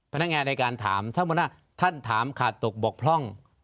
พนักงานในการถามถ้ามุติว่าท่านถามขาดตกบกพร่อง